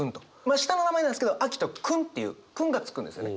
下の名前なんですけど「照史君」っていう「君」がつくんですよね。